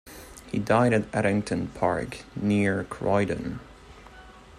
He died at Addington Park, near Croydon.